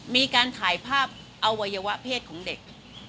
มีการถ่ายภาพอวัยวะเพศของเด็ก